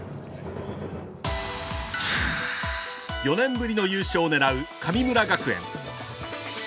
４年ぶりの優勝を狙う神村学園。